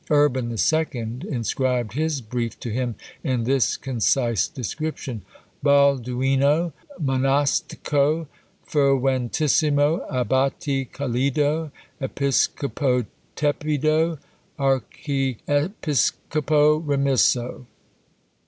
Urban the Second inscribed his brief to him in this concise description Balduino Monastico ferventissimo, Abbati calido, Episcopo tepido, Archiepiscopo remisso!